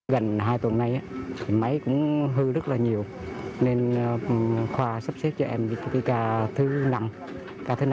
gần hai tuần nay máy cũng hư rất là nhiều nên khoa sắp xếp cho em vị trí ca thứ nào